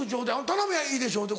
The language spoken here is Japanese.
「頼みゃいいでしょ」って